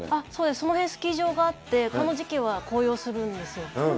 その辺、スキー場があって、この時期は紅葉するんですよ。